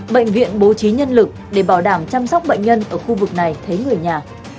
bệnh viện bố trí nhân lực để bảo đảm chăm sóc bệnh nhân ở khu vực này thấy người nhà